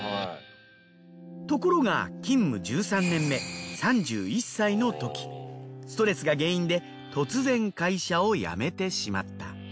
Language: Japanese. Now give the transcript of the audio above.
ところが勤務１３年目３１歳の時ストレスが原因で突然会社を辞めてしまった。